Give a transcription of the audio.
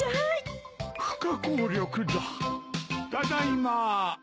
ただいま。